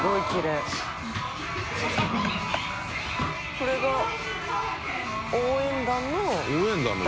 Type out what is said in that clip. これが応援団のダンス？